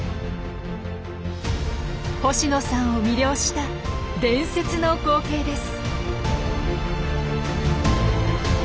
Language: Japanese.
星野さんを魅了した伝説の光景です。